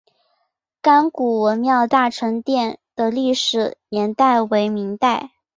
甘谷文庙大成殿的历史年代为明代。